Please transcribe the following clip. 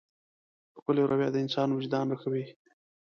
ښکلې رويه د انسان وجدان راويښوي.